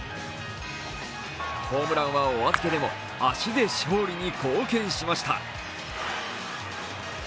ホームランはお預けでも足で勝利に貢献しました。